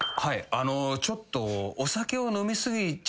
あのちょっと。